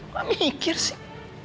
gak mikir sih